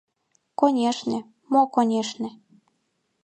Конешне— Мо «конешне»?